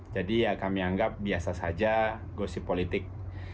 jadi ya kami anggap biasa saja gosip politik